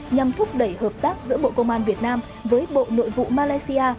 nhằm thúc đẩy hợp tác giữa bộ công an việt nam với bộ nội vụ malaysia